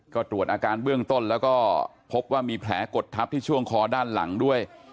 ก็ตรวจอาการเบื้องต้นแล้วก็พบว่ามีแผลกดทับที่ช่วงคอด้านหลังด้วย